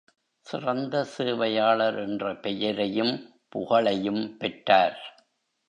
சிறந்த சேவையாளர் என்ற பெயரையும், புகழையும் பெற்றார்.